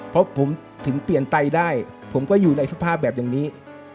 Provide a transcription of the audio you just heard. เพราะผมถึงเปลี่ยนไตได้ผมก็อยู่ในสภาพแบบอย่างนี้